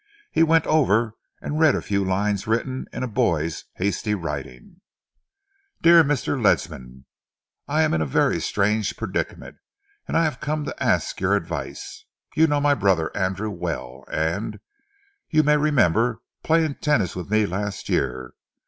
He went over and read a few lines written in a boy's hasty writing: DEAR Mr. LEDSAM: I am in a very strange predicament and I have come to ask your advice. You know my brother Andrew well, and you may remember playing tennis with me last year.